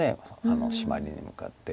シマリに向かって。